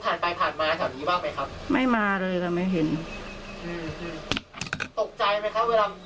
ตกใจไหมครับเวลาเจอเป็นข่าวว่า